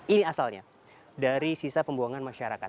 ini asalnya dari sisa pembuangan masyarakat